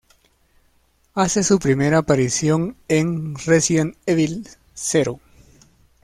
Hace su primera aparición en Resident Evil Zero.